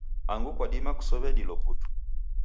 Angu kwadima kusow'e dilo putu.